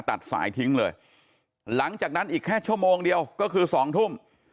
ตัดสายทิ้งเลยหลังจากนั้นอีกแค่ชั่วโมงเดียวก็คือสองทุ่ม